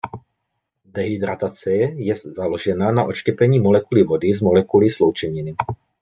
Dehydratace je založena na odštěpení molekuly vody z molekuly sloučeniny.